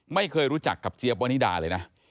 ไม่เคยรู้จักกับเจี๊ยบวานิดาเลยนะ